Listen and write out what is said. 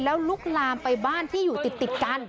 แล้วลุกลามไปบ้านที่อยู่ติดกัน